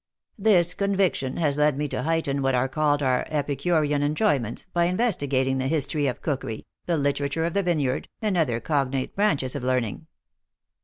This conviction has led me to heighten what are called our epicurean enjoyments, by investigating the history of cookery, the literature of the vineyard, and other cognate branches of learning."